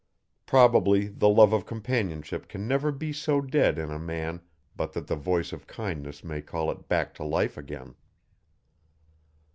Probably the love of companionship can never be so dead in a man but that the voice of kindness may call it back to life again.